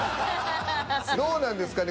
どうなんですかね